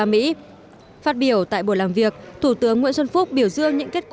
phát biểu tại buổi làm việc thủ tướng nguyễn xuân phúc biểu dương những kết quả